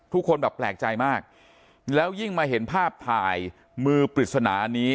ทุกคนแบบแปลกใจมากแล้วยิ่งมาเห็นภาพถ่ายมือปริศนาอันนี้